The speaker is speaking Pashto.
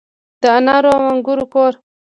د انار او انګور کور.